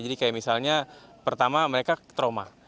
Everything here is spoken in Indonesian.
jadi kayak misalnya pertama mereka trauma